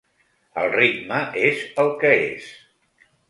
El ritme és el que és.